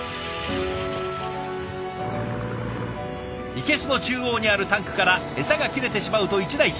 生けすの中央にあるタンクからエサが切れてしまうと一大事。